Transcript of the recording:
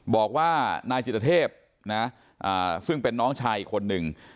บอกว่านายจิตเทพซึ่งเป็นน้องชายอีกคนนึง